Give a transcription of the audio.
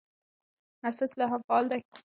نسج لا هم فعال دی.